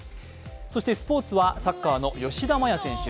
そしてスポーツはサッカーの吉田麻也選手。